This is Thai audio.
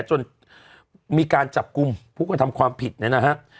จนมีการจับกุมพวกเขาทำความผิดเนี่ยนะฮะ